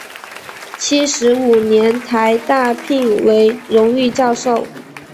七十五年台大聘为荣誉教授。